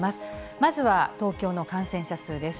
まずは東京の感染者数です。